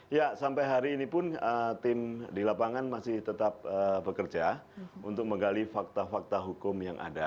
ya sampai hari ini pun tim di lapangan masih tetap bekerja untuk menggali fakta fakta hukum yang ada